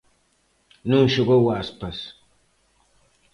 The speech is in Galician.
Non xogou Aspas.